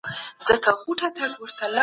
د شتمنو خلګو امتحان په مالي مرستو کي دی.